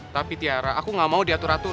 tapi tiara aku gak mau diatur atur